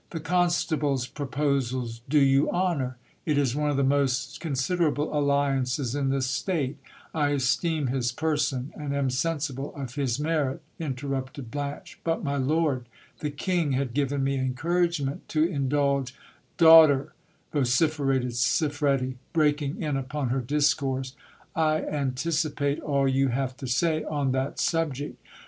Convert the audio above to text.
The constable's proposals do you honour ; it is one of the most considerable alliances in the state I esteem his person and am sensible of his merit, interrupted Blanche ; but, my lord, the king had given me encouragement to indulge Daughter, vociferated Siffredi, breaking in upon her discourse, I anticipate all you have to say on that subject.